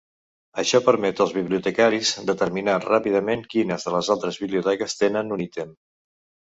Això permet als bibliotecaris determinar ràpidament quines de les altres biblioteques tenen un ítem.